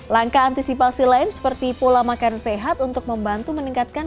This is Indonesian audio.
langkah antisipasi lain seperti pola makan sehat untuk membantu meningkatkan